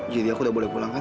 jadi aku udah boleh pulang kan